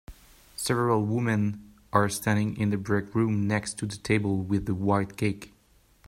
Several women are standing in the breakroom next to the table with the white cake.